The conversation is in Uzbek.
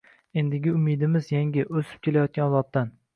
Endigi umidimiz yangi – o‘sib kelayotgan avloddan.